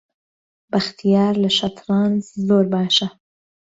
بەختیار لە شەترەنج زۆر باشە.